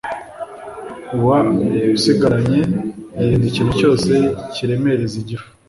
uba usigaranye, yirinda ikintu cyose kiremereza igifu.